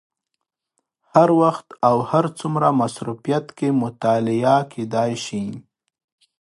هر وخت او هر څومره مصروفیت کې مطالعه کېدای شي.